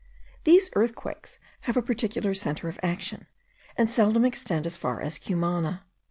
These earthquakes have a particular centre of action, and seldom extend as far as Cumana.